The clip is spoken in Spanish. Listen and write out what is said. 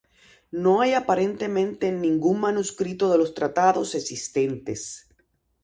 No hay aparentemente ningún manuscrito de los tratados existentes.